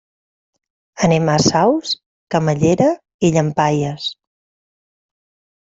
Anem a Saus, Camallera i Llampaies.